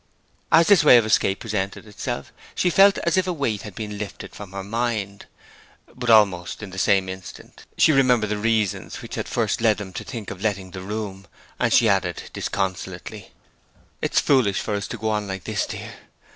As this way of escape presented itself she felt as if a weight had been lifted from her mind, but almost in the same instant she remembered the reasons which had at first led them to think of letting the room, and she added, disconsolately: 'It's foolish for us to go on like this, dear.